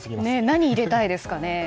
何を入れたいですか？